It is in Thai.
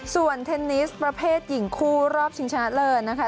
ส่วนเทนนิสประเภทหญิงคู่รอบชิงชนะเลิศนะคะ